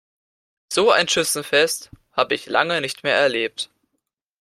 So ein Schützenfest habe ich lange nicht mehr erlebt.